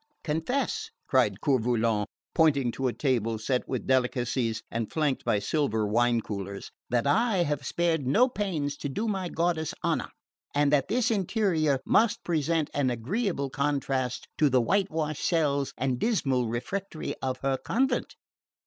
"Confess," cried Coeur Volant, pointing to a table set with delicacies and flanked by silver wine coolers, "that I have spared no pains to do my goddess honour and that this interior must present an agreeable contrast to the whitewashed cells and dismal refectory of her convent!